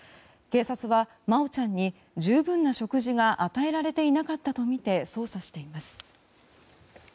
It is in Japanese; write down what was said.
警察は真愛ちゃんに十分な食事が与えられていなかったとみて捜査しています。